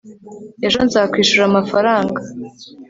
ejo nzakwishura amafaranga